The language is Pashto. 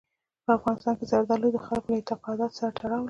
په افغانستان کې زردالو د خلکو له اعتقاداتو سره تړاو لري.